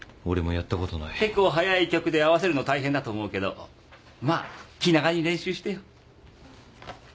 結構速い曲で合わせるの大変だと思うけどまあ気長に練習してよ。